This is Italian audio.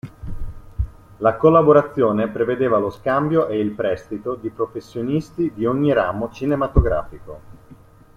La collaborazione prevedeva lo scambio e il "prestito" di professionisti di ogni ramo cinematografico.